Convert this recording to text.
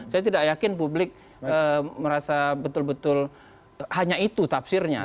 saya tidak yakin publik merasa betul betul hanya itu tafsirnya